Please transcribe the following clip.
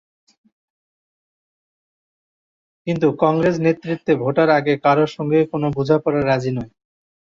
কিন্তু কংগ্রেস নেতৃত্ব ভোটের আগে কারও সঙ্গেই কোনো বোঝাপড়ায় রাজি নয়।